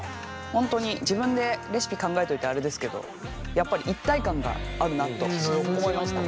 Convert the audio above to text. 本当に自分でレシピ考えといてあれですけどやっぱり一体感があるなと思いました。